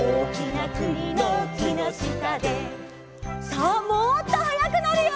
さあもっとはやくなるよ。